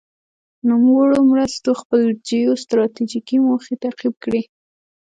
نوموړو مرستو خپل جیو ستراتیجیکې موخې تعقیب کړې.